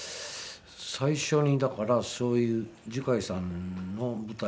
最初にだからそういう壽海さんの舞台とか。